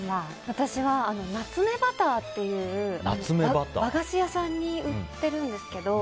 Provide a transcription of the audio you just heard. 私は、棗バターっていう和菓子屋さんに売ってるんですけど。